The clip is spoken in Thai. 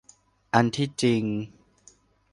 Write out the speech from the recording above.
อันที่จริง